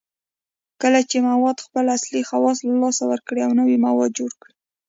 کله چې مواد خپل اصلي خواص له لاسه ورکړي او نوي مواد جوړ کړي